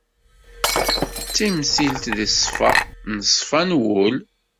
D timtilt deg ṣṣfa n ṣṣfa n wul.